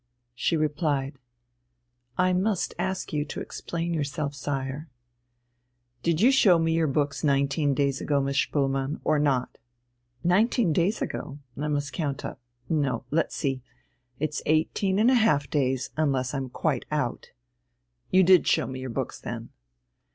She replied: "I must ask you to explain yourself, Sire." "Did you show me your books nineteen days ago, Miss Spoelmann or not?" "Nineteen days ago! I must count up. No; let's see, it's eighteen and a half days, unless I'm quite out." "You did show me your books, then?"